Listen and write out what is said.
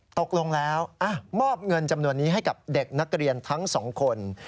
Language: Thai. ตกลงแล้วมอบเงินจำนวนนี้ให้กับเด็กนักเรียนทั้งสองคน